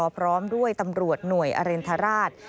พร้อมด้วยตำรวจหน่วยอรินทราช